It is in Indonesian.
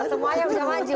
semua aja bisa maju